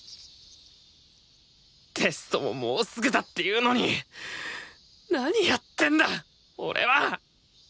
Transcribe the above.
テストももうすぐだっていうのに何やってんだ俺は！